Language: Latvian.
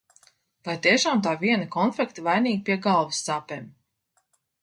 Vai tiešām tā viena konfekte vainīga pie galvas sāpēm?